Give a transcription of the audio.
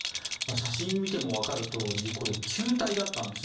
写真を見ても分かる通り球体だったんです。